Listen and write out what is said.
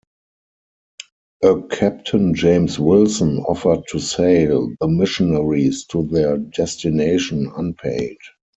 A Captain James Wilson offered to sail the missionaries to their destination unpaid.